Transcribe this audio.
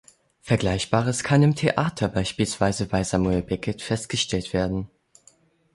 Vergleichbares kann im Theater beispielsweise bei Samuel Beckett festgestellt werden.